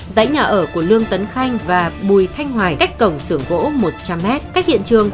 dãy nhà ở của lương tấn khanh và bùi thanh hoài cách cổng xưởng gỗ một trăm linh m cách hiện trường khoảng hai trăm linh m khi tiến hành khám xét nơi này